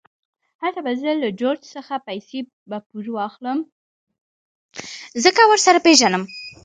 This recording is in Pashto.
هلته به زه له جورج څخه پیسې په پور واخلم، ځکه ورسره پېژنم.